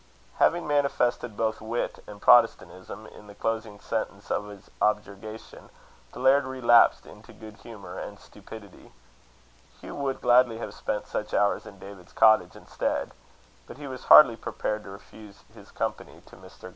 Having manifested both wit and Protestantism in the closing sentence of his objurgation, the laird relapsed into good humour and stupidity. Hugh would gladly have spent such hours in David's cottage instead; but he was hardly prepared to refuse his company to Mr. Glasford. CHAPTER VI.